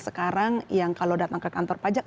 sekarang yang kalau datang ke kantor pajak